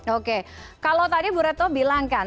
oke kalau tadi bu reto bilang kan